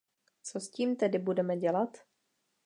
Co s tím tedy budeme dělat?